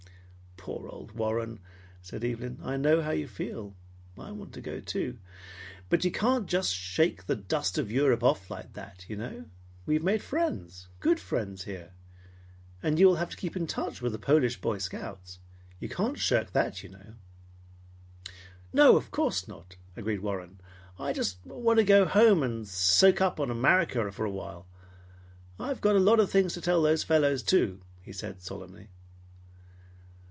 "Poor old Warren!" said Evelyn. "I know how you feel. I want to go, too. But you can't shake the dust of Europe off like that, you know. We have made friends, good friends here, and you will have to keep in touch with the Polish Boy Scouts. You can't shirk that, you know." "No, of course not," agreed Warren. "I just want to go home and soak up on America for awhile. I've got a lot of things to tell those fellows, too!" he said solemnly.